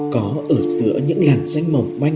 có ở giữa những lần danh mỏng manh